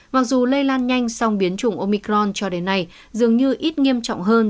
mặc dù lây lan nhanh song biến chủng omicron cho đến nay dường như ít nghiêm trọng hơn